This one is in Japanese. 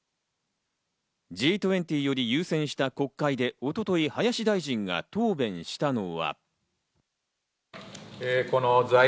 Ｇ２０より優先した国会で一昨日、林大臣が答弁したのは。